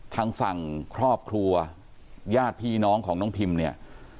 ทางฝั่งครอบครัวญาติพี่น้องของน้องพิมเนี่ย